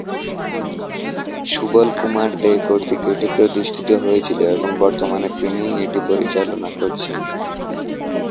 সুবল কুমার দে কর্তৃক এটি প্রতিষ্ঠিত হয়েছিল এবং বর্তমানে তিনিই এটি পরিচালনা করছেন।